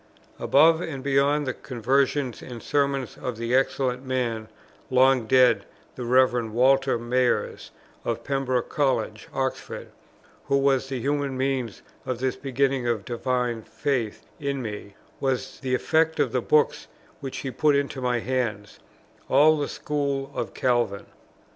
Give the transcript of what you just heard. Above and beyond the conversations and sermons of the excellent man, long dead, the Rev. Walter Mayers, of Pembroke College, Oxford, who was the human means of this beginning of divine faith in me, was the effect of the books which he put into my hands, all of the school of Calvin.